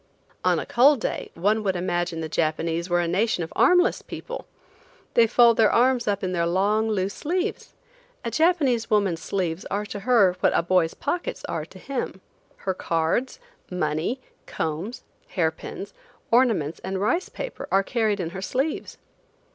On a cold day one would imagine the Japanese were a nation of armless people. They fold their arms up in their long, loose sleeves. A Japanese woman's sleeves are to her what a boy's pockets are to him. Her cards, money, combs, hair pins, ornaments and rice paper are carried in her sleeves.